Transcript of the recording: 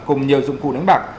cùng nhiều dụng cụ đánh bạc